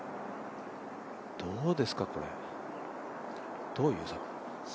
どうですかこれ、どう、優作。